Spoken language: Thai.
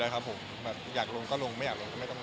ครับผมแบบอยากลงก็ลงไม่อยากลงก็ไม่ต้องลง